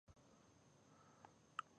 ښارونه د افغانستان یوه بله طبیعي ځانګړتیا ده.